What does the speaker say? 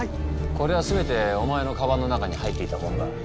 これは全てお前のかばんの中に入っていたものだ。